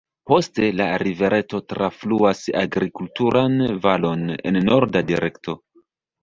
Poste la rivereto trafluas agrikulturan valon en norda direkto.